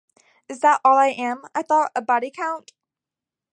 'Is that all I am,' I thought, 'a body count?